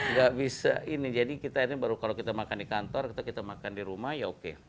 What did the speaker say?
nggak bisa ini jadi kita ini baru kalau kita makan di kantor kita makan di rumah ya oke